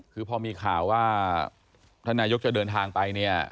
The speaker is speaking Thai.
คือพอมีข่าวว่าท่านนายกจะเดินทางไปเนี่ย